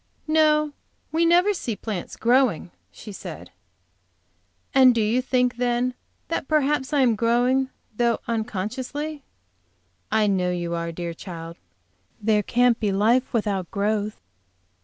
"No, we never see plants growing," she said. "And do you really think then, that perhaps I am growing, though unconsciously?" "I know you are, dear child. There can't be life without growth."